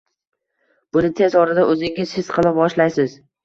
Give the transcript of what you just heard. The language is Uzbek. Buni tez orada o’zingiz his qila boshlaysiz.